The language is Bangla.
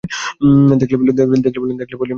দেখলে, পলিন?